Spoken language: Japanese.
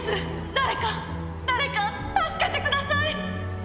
誰か、誰か、助けてください。